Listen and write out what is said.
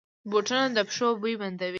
بوټونه د پښو بوی بندوي.